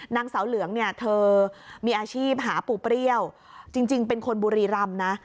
นางเสาเหลืองเนี่ยเธอมีอาชีพหาปูเปรี้ยวจริงเป็นคนบุรีรำนะ